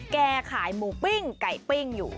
แกขายหมูปิ้งไก่ปิ้งอยู่